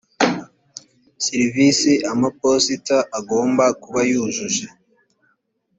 serivisi amaposita agomba kuba yujuje